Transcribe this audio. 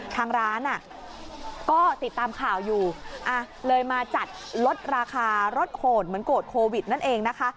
ทางร้านก็ติดตามข่าวอยู่เลยมาจัดลดราคารถโหดเหมือนโกรธโควิดนั่นเองนะคะ